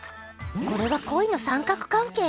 これは恋の三角関係！？